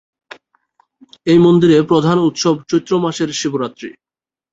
এই মন্দিরে প্রধান উৎসব চৈত্র মাসের শিবরাত্রি।